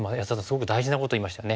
すごく大事なこと言いましたね。